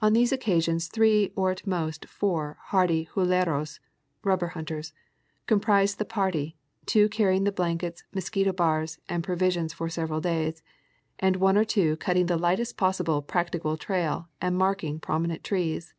On these occasions three or at most four hardy huleros (rubber hunters) comprised the party, two carrying the blankets, mosquito bars and provisions for several days, and one or two cutting the lightest possible practicable trail and marking prominent trees.